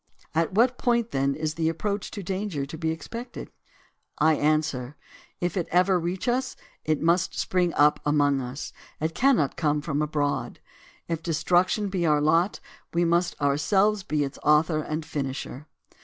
... At what point, then, is the approach to danger to be ex pected ? I answer : If it ever reach us, it must spring up among us; it cannot come from abroad. If destruction be our lot, we must ourselves be its author and finisher.